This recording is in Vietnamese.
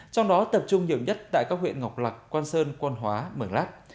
trong đó tập trung nhiều nhất tại các huyện ngọc lạc quang sơn quang hóa mường lát